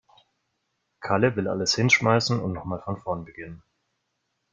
Kalle will alles hinschmeißen und noch mal von vorn beginnen.